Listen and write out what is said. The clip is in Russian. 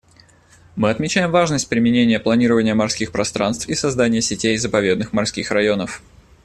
Мы отмечаем важность применения планирования морских пространств и создания сетей заповедных морских районов.